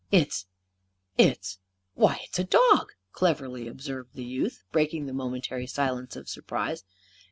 "It's it's why, it's a dog!" cleverly observed the youth, breaking the momentary silence of surprise.